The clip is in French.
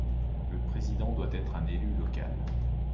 Le président doit être un élu local.